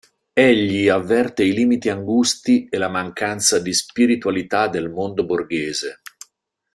Egli avverte i limiti angusti e la mancanza di spiritualità del mondo borghese.